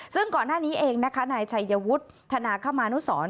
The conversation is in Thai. ซึ่งก่อนหน้านี้เองนะคะนายชัยวุฒิธนาคมานุสร